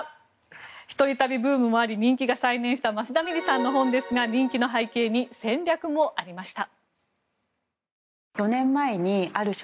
一人旅ブームもあり人気が再燃した益田ミリさんの本ですが人気の背景に戦略もありました。